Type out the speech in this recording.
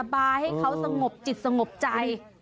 บายให้เขาสงบจิตสงบใจ